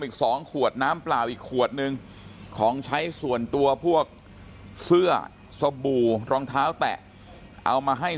อีก๒ขวดน้ำเปล่าอีกขวดนึงของใช้ส่วนตัวพวกเสื้อสบู่รองเท้าแตะเอามาให้